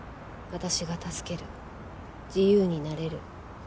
「わたしが助ける」「自由になれる」